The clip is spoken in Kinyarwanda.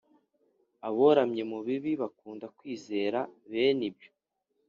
Aboramye mu bibi, bakunda kwizera bene ibyo,